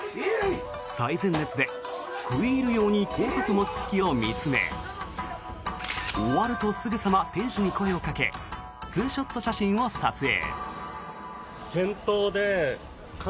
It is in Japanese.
最前列で食い入るように高速餅つきを見つめ終わるとすぐさま店主に声をかけツーショット写真を撮影。